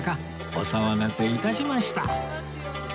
お騒がせ致しました